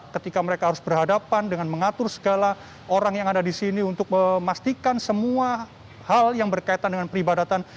ketika mereka harus berhadapan dengan mengatur segala orang yang ada di sini untuk memastikan semua hal yang berkaitan dengan peribadatan